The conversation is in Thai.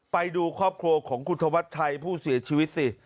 ไปดูครอบครัวของคุณธวัชชัยผู้เสียชีวิตสิ